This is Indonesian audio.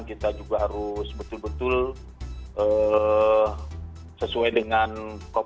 kita juga harus betul betul sesuai dengan kemampuan